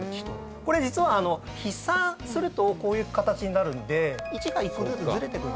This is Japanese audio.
これ実は筆算するとこういう形になるんで１が１個ずつずれてくんですよ。